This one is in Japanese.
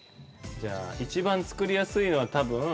じゃあ一番作りやすいのは多分火ですかね。